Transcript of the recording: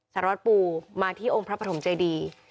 สารวัตรปูมาที่องค์พระปฐมเจดี